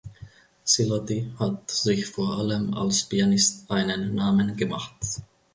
Siloti hat sich vor allem als Pianist einen Namen gemacht.